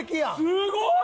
すごい！